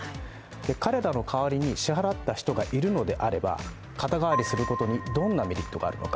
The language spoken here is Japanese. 彼らの代わりに支払った人がいるのであれば、肩代わりすることにどんなメリットがあるのか。